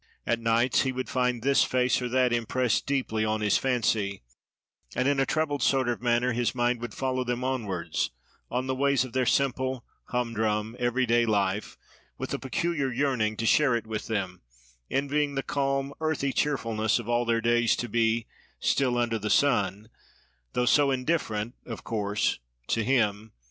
At nights he would find this face or that impressed deeply on his fancy; and, in a troubled sort of manner, his mind would follow them onwards, on the ways of their simple, humdrum, everyday life, with a peculiar yearning to share it with them, envying the calm, earthy cheerfulness of all their days to be, still under the sun, though so indifferent, of course, to him!